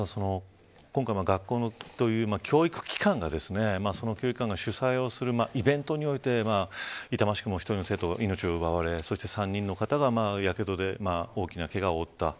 風間さん、今回学校というか教育機関がその教育機関が主催をするイベントにおいて１人の生徒の命が奪われ３人の方がやけどで大きなけがを負った。